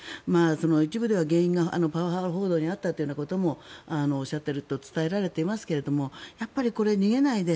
一部では原因がパワハラ報道にあったとおっしゃっていると伝えられていますがやっぱり、逃げないで